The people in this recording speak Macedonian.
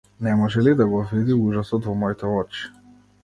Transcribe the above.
Не може ли да го види ужасот во моите очи?